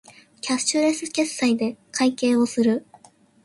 キャッシュレス決済で会計をする